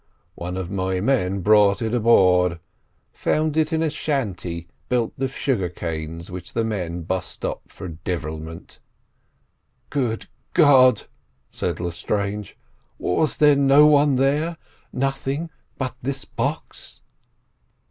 One of my men brought it aboard, found it in a shanty built of sugar canes which the men bust up for devilment." "Good God!" said Lestrange. "Was there no one there—nothing but this box?"